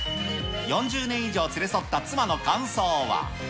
４０年以上連れ添った妻の感想は。